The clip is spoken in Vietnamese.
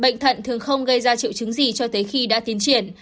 bệnh thận thường không gây ra triệu chứng gì cho tới khi đã tiến triển